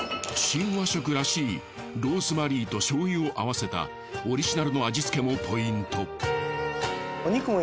新和食らしいローズマリーと醤油を合わせたオリジナルの味付けもポイント。